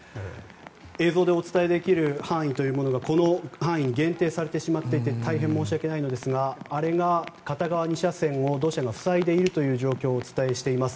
映像でお伝えできる範囲がこの範囲に限定されてしまっていて大変申し訳ないのですが片側２車線を土砂が塞いでいるという状況をお伝えしています。